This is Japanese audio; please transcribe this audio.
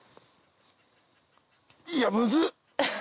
いやムズっ！